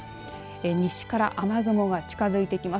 西から雨雲が近づいてきます。